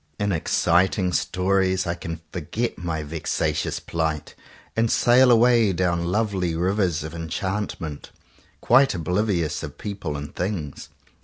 In exciting stories I can forget my vexa tious plight, and sail away down lovely rivers of enchantment, quite oblivious of people and things.